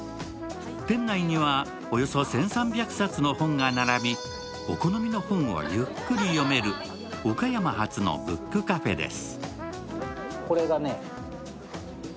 店内にはおよそ１３００冊の本が並びお好みの本をゆっくり読める岡山発のブックカフェです。